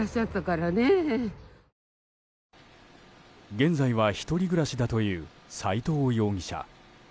現在は１人暮らしだという斎藤容疑者。